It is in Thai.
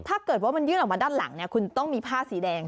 ถ้าเกิดว่ามันยื่นออกมาด้านหลังคุณต้องมีผ้าสีแดง